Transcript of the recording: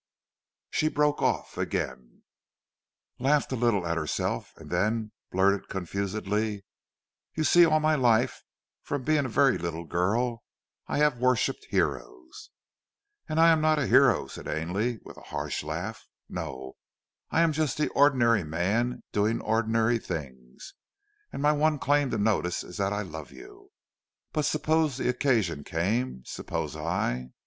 She broke off again, laughed a little at herself and then blurted confusedly: "You see all my life, from being a very little girl, I have worshipped heroes." "And I am not a hero," said Ainley with a harsh laugh. "No! I am just the ordinary man doing the ordinary things, and my one claim to notice is that I love you! But suppose the occasion came? Suppose I